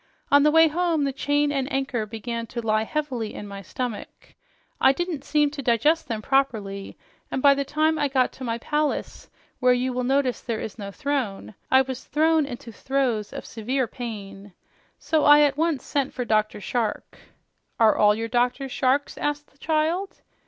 On the way home the chain and anchor began to lie heavily on my stomach. I didn't seem to digest them properly, and by the time I got to my palace, where you will notice there is no throne, I was thrown into throes of severe pain. So I at once sent for Dr. Shark " "Are all your doctors sharks?" asked the child.